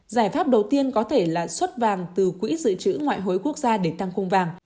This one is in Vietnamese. giải pháp đầu tiên có thể là xuất vàng từ quỹ dự trữ ngoại hối quốc gia để tăng cung vàng